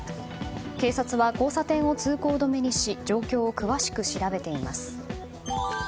警察は交差点を通行止めにし状況を詳しく調べています。